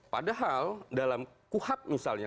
padahal dalam kuhab misalnya